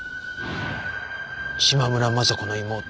島村昌子の妹